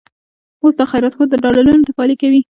اوس دا خيرات خور، د ډالرونو تفالې کوي